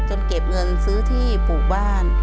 เก็บเงินซื้อที่ปลูกบ้าน